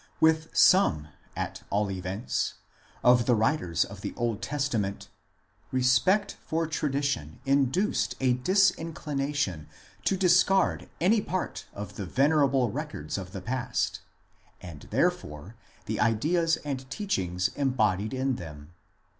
With some, at all events, of the writers of the Old Testament respect for tradition induced a disinclination to discard any part of the venerable 1 Acts xvii. 23. SOME PRELIMINARY CONSIDERATIONS 5 records of the past, and therefore the ideas and teach ings embodied in them.